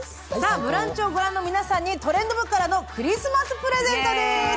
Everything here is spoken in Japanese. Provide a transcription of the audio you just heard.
「ブランチ」を御覧の皆さんにトレンド部からプレゼントです。